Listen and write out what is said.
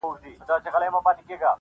را لېږلي یاره دا خلګ خزان دي ,